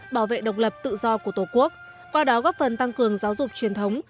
bảo vệ độc lập tự do của tổ quốc qua đó góp phần tăng cường giáo dục truyền thống